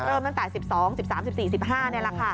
เริ่มตั้งแต่๒๐๑๒๑๔๒๐๑๕แล้วค่ะ